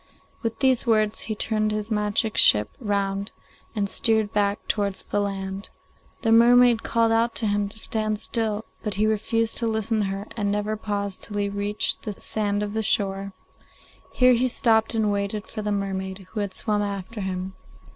With these words he turned his magic ship round and steered back towards the land. The mermaid called out to him to stand still, but he refused to listen to her and never paused till he reached the sand of the shore. Here he stopped and waited for the mermaid, who had swum after him.